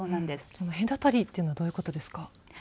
その隔たりというのはどういうことですか。